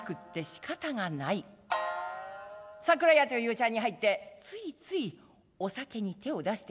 桜屋という茶屋に入ってついついお酒に手を出してしまった。